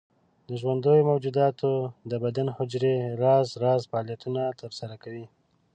د ژوندیو موجوداتو د بدن حجرې راز راز فعالیتونه تر سره کوي.